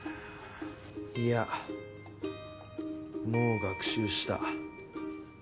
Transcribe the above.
いやもう学習した！